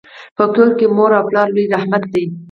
په کور کي مور او پلار لوی رحمت دی.